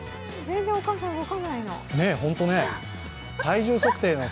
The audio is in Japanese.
全然お母さん、動かないの。